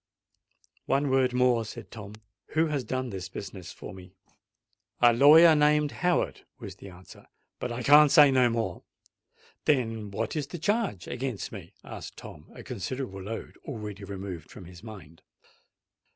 "One word more," said Tom. "Who has done this business for me?" "A lawyer named Howard," was the answer. "But I can't say no more——" "Then what is the charge against me?" asked Tom, a considerable load already removed from his mind.